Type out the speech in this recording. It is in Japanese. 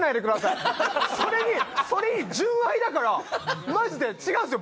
それにそれに純愛だからマジで違うんすよ